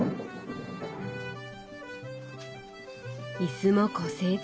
椅子も個性的。